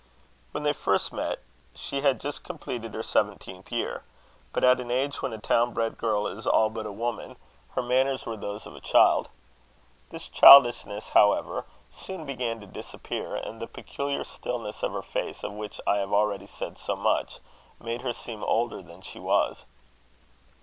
When they first met, she had just completed her seventeenth year; but, at an age when a town bred girl is all but a woman, her manners were those of a child. This childishness, however, soon began to disappear, and the peculiar stillness of her face, of which I have already said so much, made her seem older than she was.